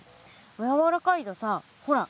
やわらかいとさほら